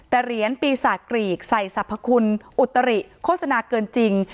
แต่เหรียญปีศาจกรีกใส่สรรพคุณอุตริโฆษณาเกินจริง